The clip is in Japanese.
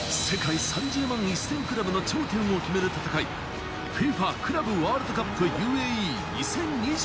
世界３０万１０００クラブの頂点を決める戦いＦＩＦＡクラブワールドカップＵＡＥ２０２１。